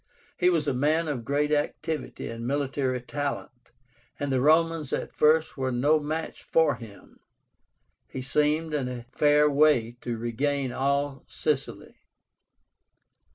He was a man of great activity and military talent, and the Romans at first were no match for him. He seemed in a fair way to regain all Sicily.